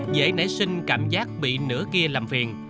dễ nảy sinh cảm giác bị nửa kia làm phiền